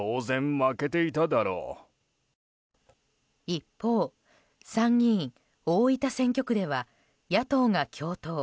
一方、参議院大分選挙区では野党が共闘。